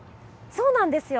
そうなんですよ。